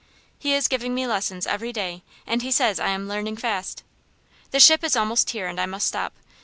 He is giving me lessons every day, and he says I am learning fast. "The ship is almost here, and I must stop.